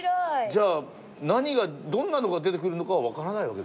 じゃあどんなのが出てくるのかは分からないわけですね？